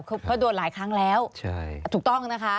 เพราะโดนหลายครั้งแล้วถูกต้องนะคะ